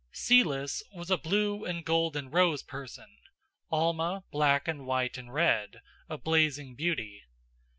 Celis was a blue and gold and rose person; Alma, black and white and red, a blazing beauty.